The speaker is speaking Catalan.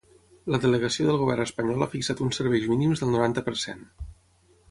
La delegació del govern espanyol ha fixat uns serveis mínims del noranta per cent.